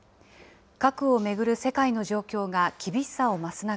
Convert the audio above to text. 核を巡る世界の状況が厳しさを増す中、